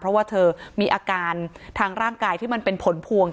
เพราะว่าเธอมีอาการทางร่างกายที่มันเป็นผลพวง